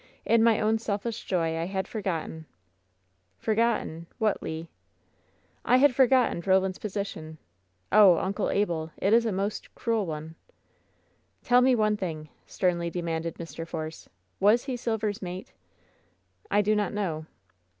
In my own selfish joy I had for gotten/" "Forgotten? What, Le?" "I had forgotten Roland's position. Oh, Uncle Abel! It is a most cruel onel" WHEN SHADOWS DIE 108 "Tell me one thing," sternly demanded Mr. Force. "Was he Silver's mate?'' "I do not know."